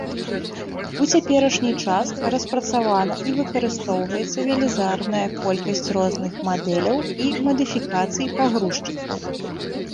У цяперашні час распрацавана і выкарыстоўваецца велізарная колькасць розных мадэляў і мадыфікацый пагрузчыкаў.